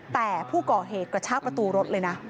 แต่ผู้ก่อเหตุกระชากประตูรถเลยนะ